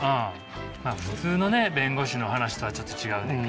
まあ普通のね弁護士の話とはちょっと違うねんけどね。